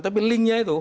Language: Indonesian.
tapi linknya itu